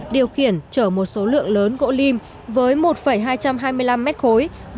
điều khiển chở một số lượng lớn gỗ lim với một hai trăm hai mươi năm mét khối